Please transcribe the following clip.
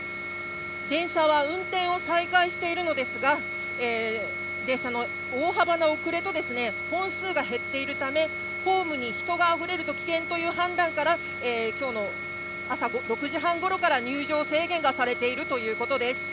電車は運転を再開しているのですが、電車の大幅な遅れと本数が減っているため、ホームに人が溢れると危険という判断から、今日の朝６時半頃から入場制限がされているということです。